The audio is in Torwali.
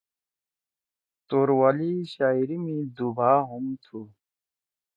توروالی شاعری می دُوبھا ہُم تُھو۔